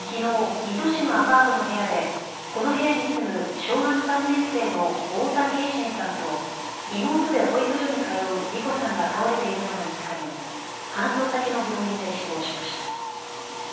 水戸市のアパートの部屋でこの部屋に住む小学３年生の太田継真さんと妹で保育所に通う梨心さんが倒れているのが見つかり搬送先の病院で死亡しました。